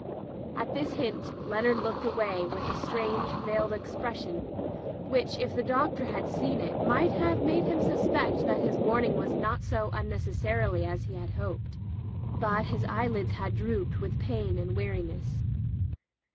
At this hint, Leonard looked away with a strange, veiled expression, which if the Doc tor had seen it might have made him suspect that his warning was not so unnecessary as he had hoped ; but his eyelids had drooped with pain and weariness.